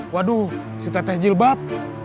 waduh si tete jilbab